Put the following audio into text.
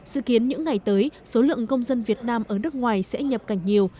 sự kiến những ngày tới số lượng công dân việt nam ở nước ngoài sẽ nhập cảnh nhiều